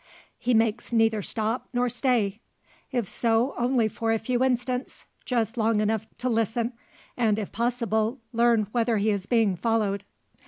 He makes neither stop, nor stay. If so, only for a few instants, just long enough to listen, and if possible learn whether he is being followed.